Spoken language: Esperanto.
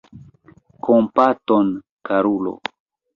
Kompaton, karulo!